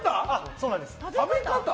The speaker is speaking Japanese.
そうなんです。